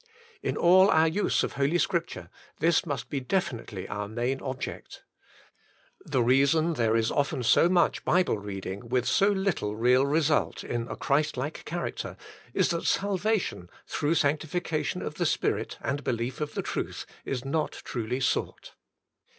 In all our use of Holy Scripture this must be definitely our main ob ject. The reason there is often so much Bible reading with so little real result in a Christ like character, is that "salvation, through sanctifi cation of the Spirit and belief of the truth," is not truly sought.